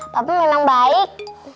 papu memang baik